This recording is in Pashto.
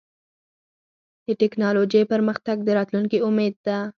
د ټکنالوجۍ پرمختګ د راتلونکي امید دی.